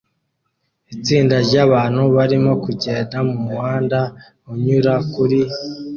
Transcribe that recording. Itsinda ryabantu barimo kugenda mumuhanda unyura kuri